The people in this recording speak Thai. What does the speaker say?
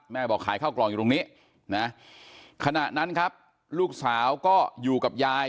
บอกขายข้าวกล่องอยู่ตรงนี้นะขณะนั้นครับลูกสาวก็อยู่กับยาย